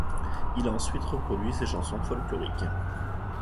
Il a ensuite reproduit ces chansons folkloriques.